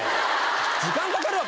時間かかるわ！